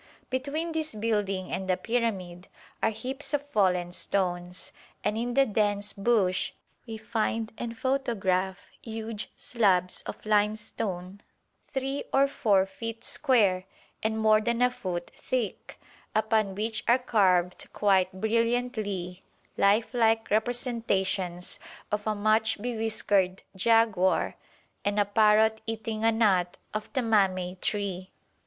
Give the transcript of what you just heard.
Between this building and the pyramid are heaps of fallen stones, and in the dense bush we find and photograph huge slabs of limestone 3 or 4 feet square and more than a foot thick, upon which are carved quite brilliantly lifelike representations of a much bewhiskered jaguar and a parrot eating a nut of the mamey tree.